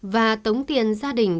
và tống tiền gia đình